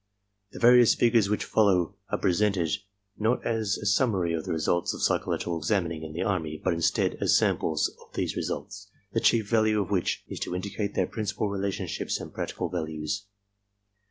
The various figures which follow are presented not as a sum mary of the results of psychological examining in the army but instead as samples of these results, the chief value of which is to indicate their principal relationships and practical values.